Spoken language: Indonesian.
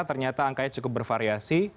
ternyata angkanya cukup bervariasi